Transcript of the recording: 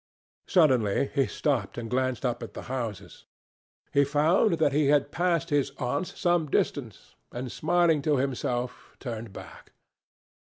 Suddenly he stopped and glanced up at the houses. He found that he had passed his aunt's some distance, and, smiling to himself, turned back.